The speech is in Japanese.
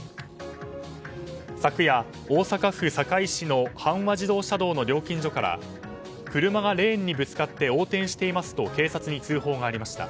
昨夜、大阪府堺市の阪和自動車道の料金所から車がレーンにぶつかって横転していますと警察に通報がありました。